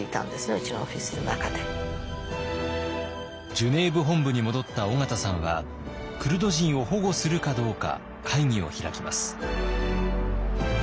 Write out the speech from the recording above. ジュネーブ本部に戻った緒方さんはクルド人を保護するかどうか会議を開きます。